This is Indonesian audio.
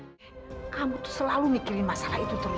sampai jumpa di video selanjutnya